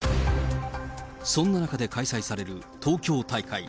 そんな中で開催される東京大会。